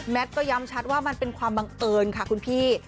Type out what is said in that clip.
ก็ย้ำชัดว่ามันเป็นความบังเอิญค่ะคุณพี่